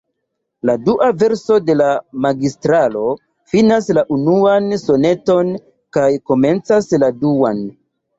La dua verso de la Magistralo finas la unuan soneton kaj komencas la duan.